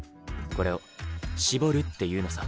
これを「絞る」っていうのさ。